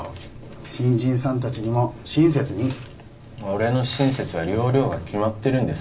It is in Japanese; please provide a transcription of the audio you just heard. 新人さん達にも親切に俺の親切は容量が決まってるんです